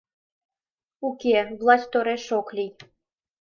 Уке, власть тореш ок лий.